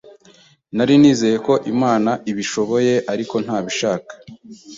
Nari nizeye ko Imana ibishoboye, ariko ntabishaka.